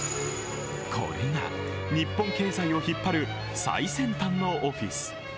これが日本経済を引っ張る最先端のオフィス。